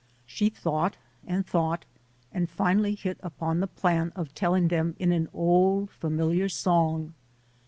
She thought and thought, and finally hit upon the plan of telling them in an old familiar song.